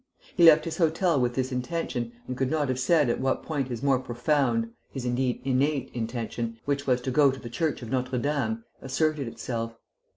He left his hotel with this intention, and could not have said at what point his more profound, his indeed innate intention, which was to go to the Church of Notre Dame, asserted itself.